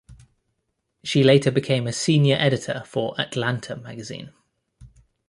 She later became a senior editor for "Atlanta" magazine.